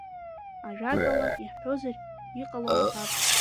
Ажәак ала, иаҳҳәозар, иҟало аабап.